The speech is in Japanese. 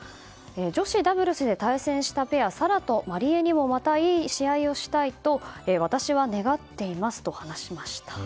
女子ダブルスで対戦したペアサラとマリエにもまたいい試合をしたいと私は願っていますと話しました。